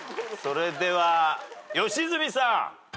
それでは良純さん。